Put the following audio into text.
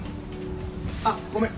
あっごめん。